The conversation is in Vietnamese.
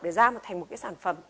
để ra thành một cái sản phẩm